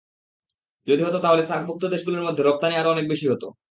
যদি হতো তাহলে সার্কভুক্ত দেশগুলোর মধ্যে রপ্তানি আরও অনেক বেশি হতো।